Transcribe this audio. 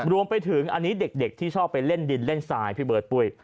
รวมไปถึงอันนี้เด็กที่ชอบไปเล่นดินเล่นทรายพี่เบิร์ตปุ้ย